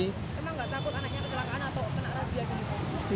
emang nggak takut anaknya kecelakaan atau kena razia gitu